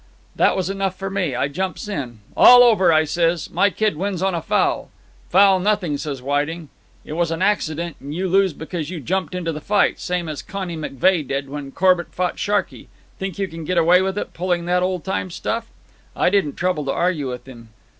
"That was enough for me. I jumps in. 'All over,' I says. 'My kid wins on a foul.' 'Foul nothing,' says Whiting. 'It was an accident, and you lose because you jumped into the fight, same as Connie McVey did when Corbett fought Sharkey. Think you can get away with it, pulling that old time stuff?' I didn't trouble to argue with him.